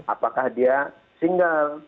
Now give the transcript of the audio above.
apakah dia single